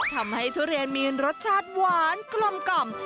ทำให้ทุเรียนมีรสชาติหวานกลมก่อม